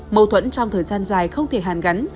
mâu thuẫn trong thời gian dài không thể hàn gắn